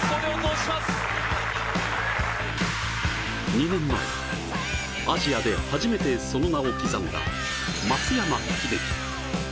２年前、アジアで初めてその名を刻んだ松山英樹。